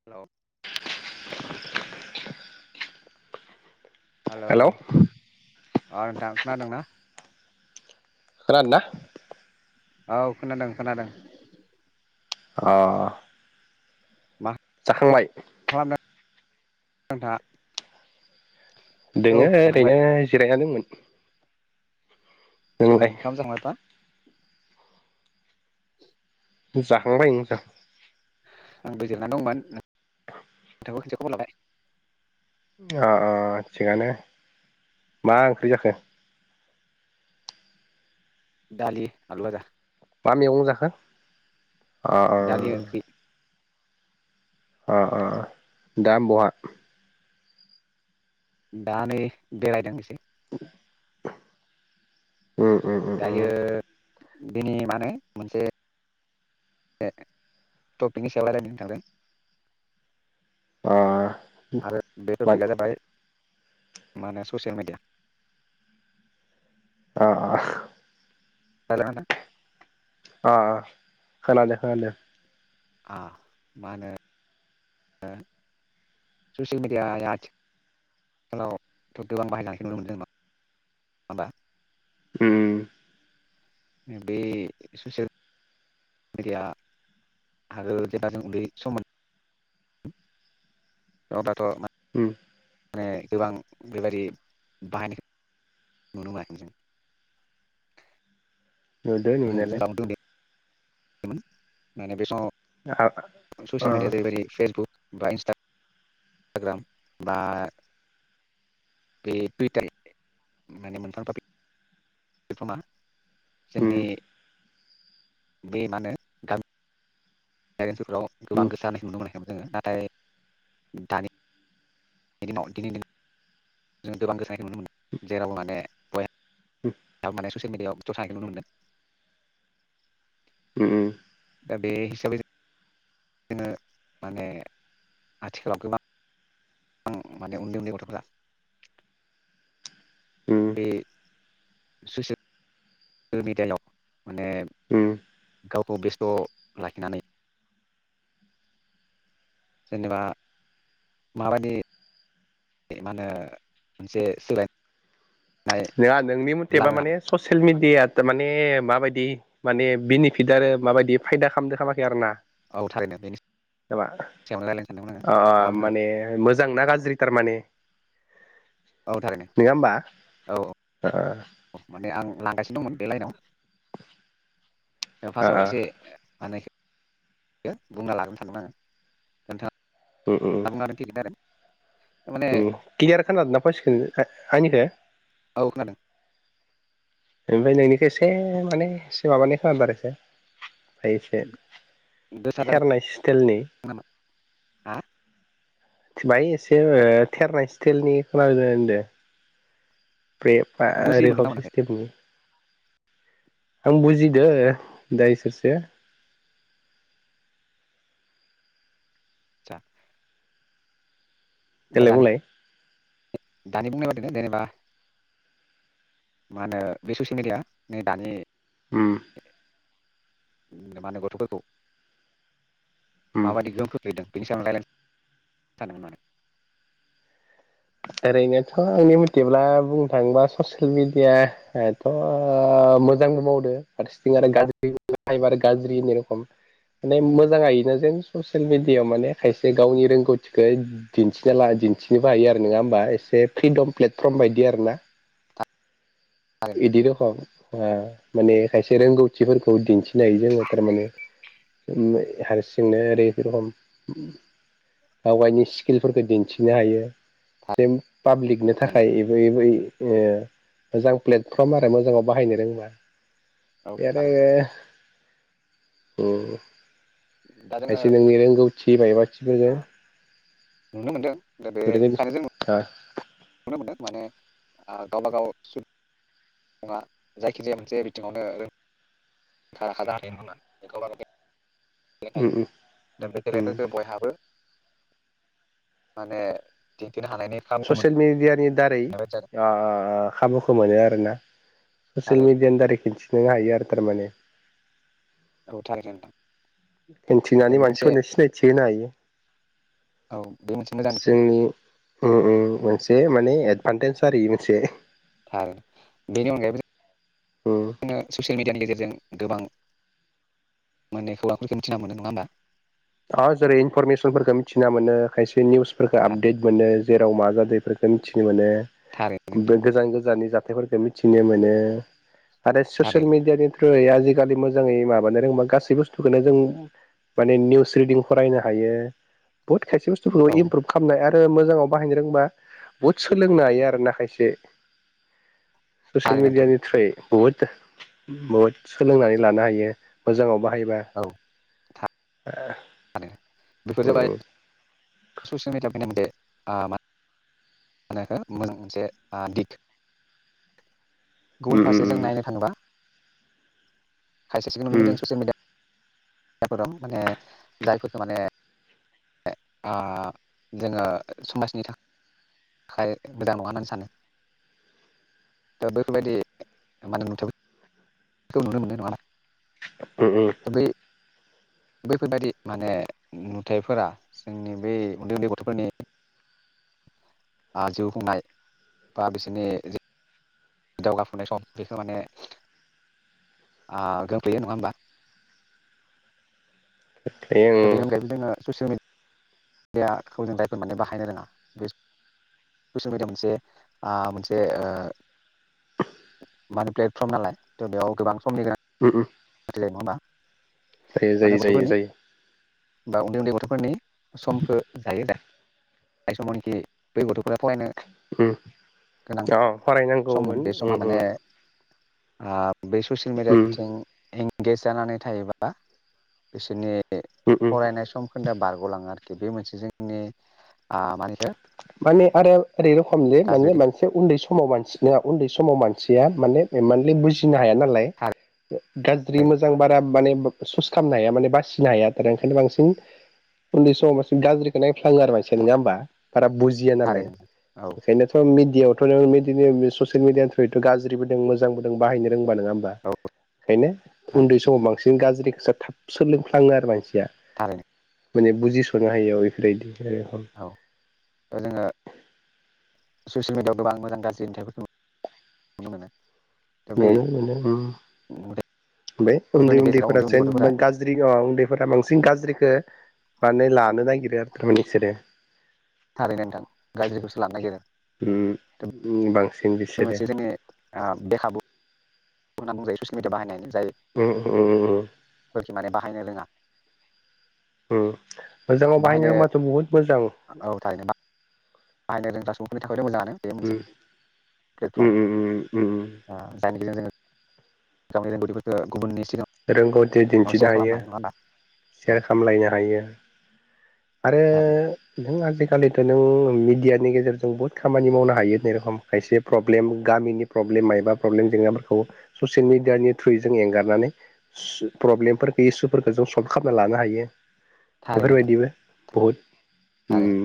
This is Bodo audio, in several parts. [unintelligible] हेलौ अ नोंथां खोनादोंना? खोनादोंना? औ खोनादों खोनादों अ मा जाखांबाय मा खालामदों नोंथाङा औ दोङो जाखांबाय ओरैनो जिरायना दोंमोन ओ ओंखाम जाखांबाय बा जाखांबाय ओं आंबो जिरायना दंमोन नोंथांखौ एसे खबर लाबाय अ अ थिगानो मा ओंख्रि जाखो? दालि आलुभाजा मा मैगं जाखो अ दालि अ ओंख्रि ओ ओ दा बहा? दा नै बेरायदों एसे। उम उम उम उम बियो बिनि मा होनो मोनसे ओ टपिकनि सायाव रायलायनि नोंथांजों। ओ आरो बे टपिकआ जाबाय मा होनो ससियेल मिडिया। ओ ओ रायलायनो हागोन। ओ ओ खोनादों खोनादों। आ मा होनो ओ ससियेल मिडियाया आथिखालावथ' गोबां बाहायलांनायखौ नुनो मोनदों नङा होमबा उमम बे ससियेल मेडिया आगोल जेब्ला जों उन्दै सममोन औ दाथ' मा उम माने गोबां बेबादि बाहायनायखौ नुनो मोनाखै जों। नुदों नुनायालाय। खैमोन माने बे आ समाव अ ससियेल मिडियाया जाहैबाय फेसबुक बा इन्सटा ग्राम बा बे टुइटार माने मोनथाम टपिक [unintelligible] उम जोंनि बे मा होनो? [unintelligible] गोबां उम गोसा होनायखौ नुनो मोनाखैमोन जोङो नाथाय दानि नि दिनाव दिनैनि दिनाव जों गोबां गोसो होनायखौ नुनो मोनदों जेराव माने ग उम [unintelligible] माने ससियेल मिडियाआव ज'स जानायखौ नुनो मोनदों। उम उम दा बे हिसाबै जों जोङो माने आथिखालाव गोबां ओं माने उन्दै उन्दै गथ'फ्रा उम बे सुइसाइडफोरनि दायाव माने उम गावखौ बेस्थ' लाखिनानै जेनेबा माबायदि बे मा होनो मोनसे सोलायनाय नङा नोंनि मथेबा लाबोनो माने हादों ससियेल मिडिया थारमाने माबायदि माने बेनिफिट आरो माबायदि फायदा खामदों खामाखै आरो ना। औ थारैनो बेनि नामा सायावनो रायलायनो सानदोंमोन ओ ओ आङो आङो माने मोजां ना गाज्रि थारमाने औ थारैनो नोङा होमबा? ओ ओ अ माने आं लांगासिनो दंमोन बे लाइनाव। ओ फार्स्टआव एसे मा होनो एखौ बुंना उम [unintelligible] नोंथां। [unintelligible] उम क्लियार खोनादों ना भइसखो आंनिखो? औ खोनादों ओमफ्राय नोंनिखौ एसे माने एसे माबानाय खोनादों माने। ओमफ्राय एसे थेरनाय स्टिलनि। खोनादों हा? बाय एसे ओ थेरनाय स्टिलनि खोनादो होनदों बे। ओ ओ बुजि मोनदों ना रिखब मोनाखै सस्मथिमनि। आं बुजिदो दाएसोरसो। आटसा। देलाय दानि बुंलाय दानि बुंनाय बादिनो जेनेबा मा होनो बे ससियेल मिडिया नै दानि ओम म माने गथ'फोरखौ उम माबायदि गोहोम खो फैदों बेनि सायाव रायलायनो सानदोंमोन माने ओरैनोथ' आंनि मथेब्ला बुंनो थाङोबा ससियेल मिडिया एथ' मोजांबो मावदो हारसेथिं आरो गाज्रिब गाज्रि ए रखम। माने मोजाङयोना जेन ससियेल मिडियाायाव माने खायसे गावनि रोंगौथिखौ दिन्थि दिन्थिनोबो हायो आरो नङा होमबा एसे फ्रिदम प्लेटफर्म बायदि आरो ना। थारैनो बिदि रखम माने खायसे रोंगौथिफोरखौ दिन्थिनाय जोङो थारमाने। हारसिंनाय ओरै रखम। आवगायनि स्किलफोरखौ दिन्थिनो हायो। सेम पाब्लिकनो औ एबो एबो थाखायबो मोजां प्लेटफर्म आरो मोजाङाव बाहायनो रोंबा बे आरो थारैनो ओम दा जोङो खायसे नोंनि रोंगौथि ओ माइबाथिफोरजों नुनो मोनदों। दा बे बोरैबा सानैजों [inaudible] नुनो मोनदों माने गावबा गाव सु नङा जायखिजाया मोनसे बिथिङावनो रोंखा राखा जाखायो नंगा होनबा बेखौ उम गेलायो उम दा बे उम गेलेफोरखौ बयहाबो माने दिंथिनो हालायनायनि ससियेल मिडियानि दारै आह खाबुखौ मोनो आरोना। ससियेल थारैनो मिडियानि दारै खिन्थिनो हायो आरो थारमाने। औ थारैनो नोंथां। दा दिनथिनानै बे मोनसे मानसिफोरनो सिनायथि होनो हायो। औ बे मोनसे मोजां बिथिं। जोंनि उम उम मोनसे माने एदभान्टेज आरो इयो मोनसे। थां बेनि अनगायैबो उम। ओ ससियेल मिडियानि गेजेरजों गोबां मोनै आखलखौ मिथिना मोनो नङा होमबा? दा जेरै इनफरमेसनफोरखौ मिथिना मोनो खायसे निउसफोरखौ आपडेट मोनो जेराव मा जादों इफोरखौ मिथिनो मोनो थारैनो नोंथां गोजान गोजाननि जाथ मेथाइफोरखौ मिथिनो मोनो आरो ससियेल थारैनो मिडियानि आजिखालि मोजाङै माबानो रोङोब्ला गासै बुस्थुखौनो जों माने निसजफोराव ट्रेदिं फरायनो हायो बहुत खायसे बुस्थुफोरखौ औ इमप्रुभ खालामनाय आरो ओ मोजाङाव बाहायनो रोंबा बुहुत सोलोंनो हायो आरो ना खायसे। ससियेल थारैनो नोंथां मिडियानि थ्रुयै। बुहुद बहुद सोलोंनानै लानो हायो मोजाङाव बाहायबा औ। [inaudible] [unintelligible] बेफोर जाबाय उम ससियेल मिडिया फैनानै बेे आ मोजां मोनसे आ दिग गुबुन उम उम फारसे जों नायनो थाङोबा खायसे सुबुं जो ससियेल मिडिया दम माने जाय फोर माने आ जोङो समाजनि थाखाय आखाय मोजां नङा होननानै सानो। दा बेफोरबायदि माने [unintelligible] बेखौ नुनो मोनदों नामा? उम उम। बैफोरबायदि माने नुथायाइफोरा जोंनि बै उन्दै उन्दै गथ'फोरनि जिउ खुनाय बा बिसोरनि दावगफुनाय सम बेखौ माने आ [unintelligible] नङा होमबा? उम दा बेनि उम अनगायैबो जोङो ससियेल मिडियाखौ जों जायफोर माने बाहायनो रोङा ससेयेल मिडिया आ मोनसे ओ मान प्लेटफर्म नालाय थ बेयाव गोबां समनि [unintelligible] उम उम। नङाबा जायो माने जायो जायो गथ'फोरनि जायो बा उन्दै उन्दै गथ'फोरनि समखौ जायो दा ज समानखि बे गथ'फोरा फरायनो उम गोनां अ फरायनांगौमोन सममोन बे उम समा माने उम आ बे ससियेल मिडिया उम बिथिं एंगेज जानानै थायोबा बिसोरनि उम उम फरायनाय सम खोनदोआ बारग'लाङो आरोखि बे मोनसे जोंनि आ [unintelligible] [unintelligible] उन्दै समाव गाज्रि दिग मानसिफोराबो उन्दै समाव मानसिया माने एमानदि बुजि फिनो हाया नालाय गाज्रि थारैनो मोजां बारा माने सुस खालामनो हाया माने बासिनो हाया ओंखायनो बांसिन उन्दै समाव बांसिन गाज्रिखौ नायफ्लाङो आरो मानसिया नङा होमबा बारा बुजिया नालाय थारैनो औ इखायनो मिडियाआवथ' नों बेदिनो ससेयल मिडियानिखुंइथ गाज्रिबों दं मोजांबो नों बाहायनो रोंबा नङा होनबा औ बेखायनो थारैनो उन्दै समाव बांसिन जों गाज्रिखोसो थाब सोलोंफ्लाङो आरो मानसिया। [unintelligible] माने बुजिस'नो हायियाव बेफोरबायदि आरो। औ दा जोङो ससियेल मिडियाआव गोबां मोजां गाज्रि नुथाइफोरखौ नुनो मोनो। दा नुनो मोनो बै उम बेै उन्दै बेफोरनि गेजेराव उन्दैफोरा उन्दै उन्दै जेन गथ'फोरा गाज्रि गाज्रि उन्दैफोरा बांसिन गाज्रिखौ माने लानो नागिरो आरो थारमाने बिसोरो। थारैनो नोंथां गाज्रिखौसो लानो नागिरो। उम उम बांसिन बिसोरो आ बे खाबु बुंना बुंजायो ससियेल मिडिया बाहायनाय जायो। ओ ओ ओ फोरखिं माने बाहायनो रोङा। उम मोजाङाव बाहायनो रोंबाथ' बुहुत मोजां। ओ औ थारैनो बा बाहायनो रोंग्रा सुबुंफोरनि थाखायथ' मोजाङानो बे मोनसे उम उम उम उम उम दा जायनि गेजेरजों जोङो गावनि रोंगौथिफोरखौ गुबुननि सिगांआव रोंगौथि दिन्थिनो हायो। सेर औ खामलायनो हायो आरो थारैनो नों आजिखालिथ' नों ओं मिडियानि गेजेरजों बहुद खामानि मावनो हायो जेरखम खायसे प्रब्लेम गामिनि प्रब्लेम मायबा प्रब्लेम जेंनाफोरखौ ससियेल मिडियानि थ्रुयै जों एंगारनानै सु प्रब्लेमफोरखौ इसुफोरखौ जों सल्भ खालामना लानो हायो थारैनो नोंथां बेफोरबायदिबो। बहुद थारैनो उम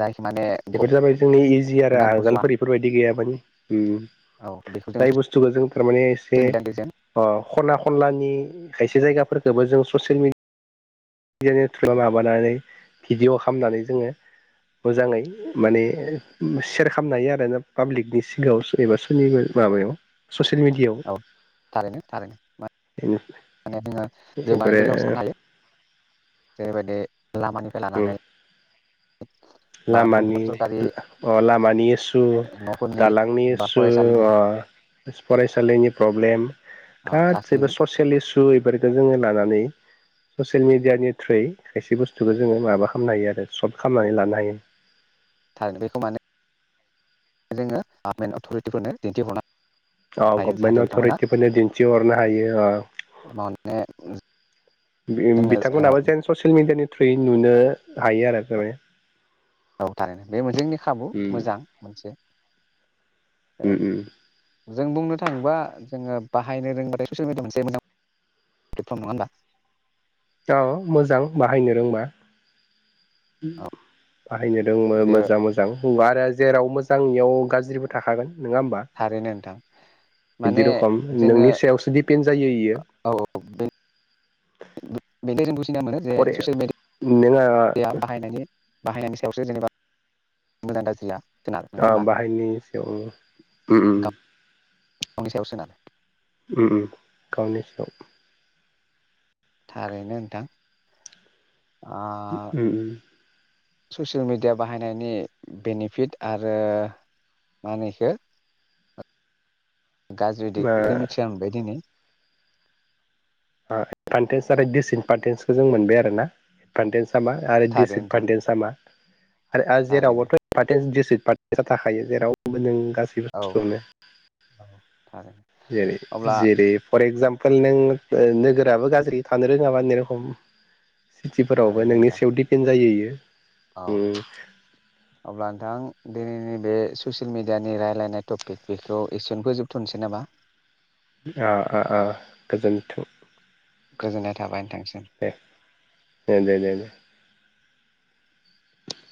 जायखि माने बेफोर जाबाय जोंनि इजि आरो गभमेन्टआ नुहुरस'वा आगोलफोरनि बेफोरबायदि गैयामोन उम औ बेखौ जोङो जाय बुस्थुखौ जों थारमाने एसे ससियेल मिडियानि गेजेरजों अ खना खनलानि खायसे जायगाफोरखोबो जों ससियेल मिड डियानि धुला माबानानै भिडिअ' खामनानै जोङो मोजाङै माने सेयार खामनो हायो आरो ना पाब्लिकनि सिगाङाव सु एबास सोलिनो माबायाव ससियेल मिदियाव औ थारैनो थारैनो मा माने जोङो मानि ओमफ्राय बेलायाव साननो हायो? जेरैबायदि लामानिफ्राय लानानै बा गुबुन लामानि गुबुन सरकारि ओ अ लामानि इसु न'फोरनि दालांनि बा इसु फरायसालिनि अ फरायसालिनि प्रब्लेम गासैबो ससियेल इसु इफोरखो जोङो लानानै ससियेल मिडियानि थ्रुयै खायसे बुस्थुखौ जोङो माबा खामनो हायो आरो सल्भ खालामनानै लानो हायो। थार बेखौ मानो जोङो आ मेन्ट अथ'रिटिफोरनो दिन्थिहरना अ गभमेन्ट अथ'रिटिफोरनो दिन्थिहरनो हायो अ माने जो बिम बिथांमोनहाबो जेन ससियेल मिडियानि थ्रुयै नुनो हायो आरो थार माने औ थारैनो बे जोंनि खाबु उम मोजां मोनसे औ उम उम जों बुंनो थाङोबा जोङो बाहायनो रोंबाथाय ससियेल मिडिया मोनसे मोजां दिफ्रम नङा होनबा? औ मोजां बाहायनो रोंबा। उम औ बाहायनो रोंबा बेयो मोजां मोज जां हौआ आरो आरो जेराव मोजां इयाव गाज्रिबो थाखागोन नोङा होमबा? थारैनो नोंथां माने बिदि रखम नोंनि सायावसो दिपेन्ड जायो इयो। आपदेट बेनि जों बुजिना मोनो जे फरे ससियेल नोङो मिडियाया बाहायनायनि बाहायनायनि सायावसो जेनेबा मोजां गाज्रि या। दा बाहायनि सायाव उम उम उम गावनि सायावसो ना? उम उम गावनि सायाव। थारैनो नोंथां ओ उम उम ससियेल मिडिया बाहायनायनि बेनिफिट आरो मा मा होनो इखो? गाज्रि ओ दिदनिफ्राय मिथिना मोनबाय दिनै। आ‌ कनटेन्ज आरो दिसेन पाटेनसखौ जों मोनबाय आरो ना कनटेन्ज सामा आरो थारैनो दिसि नोंथां फान्देन सामा आरो थारैनो जेरावबोथ'। भानर्टेन्स डिस्रिट पार्टेन्स ज थाखाखायो जेरावबो नों गासैबो औ बुस्थुआवनो। औ। थारैनो जेरै अब्ला जेरै। फर एगजामपोल नों नोगोराबो गाज्रि थानो रोङाबा एनु रखम। सिटिफोरावबो थारैनो नोंनि नोंथां सायाव दिडपेन्ड जायो बेयो। औ। अब्ला दिनैनि बे ससियेल मिडियानि रायज्लायनाय बेखौ एक्सनखौजोबथ'नोसै नामा। ओ ओ गोजोनथों। गोजोननाय थाबाय नोंथांसिम। दे दे दे।